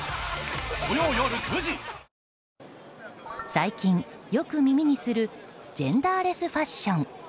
最近、よく耳にするジェンダーレスファッション。